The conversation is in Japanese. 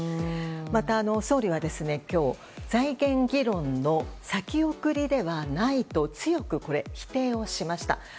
また、総理は今日財源議論の先送りではないと強く否定をしました。